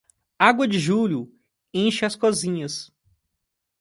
A água de julho enche as cozinhas.